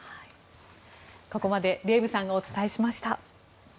ここまでデーブさんがお伝えしました。